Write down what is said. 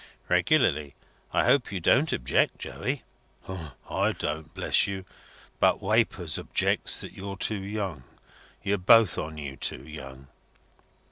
"Regularly. I hope you don't object, Joey?" "I don't, bless you. But Wapours objects that you're too young. You're both on you too young."